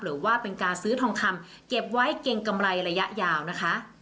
หรือว่าเป็นการซื้อทองคำเก็บไว้เกรงกำไรระยะยาวนะคะ